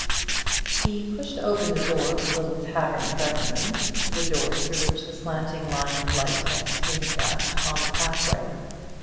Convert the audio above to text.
He pushed open the door of the little tavern presently the door through which the slanting line of light had streamed out upon the pathway.